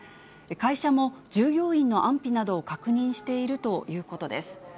会社も従業員の安否などを確認しているということです。